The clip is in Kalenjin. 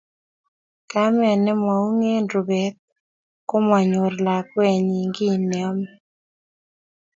Kamet nemoungen rubet ngomanyor lakwenyi kiy neomei